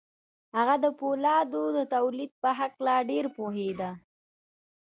هغه د پولادو د تولید په هکله ډېر پوهېده